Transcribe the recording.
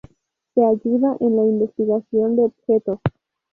Te ayuda en la investigación de objetos.